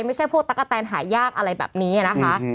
ไม่ใช่พวกตั๊กกะแตนหายากอะไรแบบนี้นะคะ